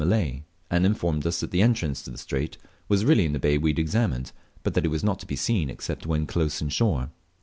Malay, and informed us that the entrance to the strait was really in the bay we had examined, but that it was not to be seen except when close inshore.